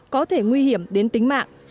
có thể nguy hiểm đến tính mạng